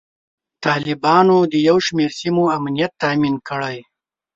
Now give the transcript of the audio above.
طالبانو د یو شمیر سیمو امنیت تامین کړی.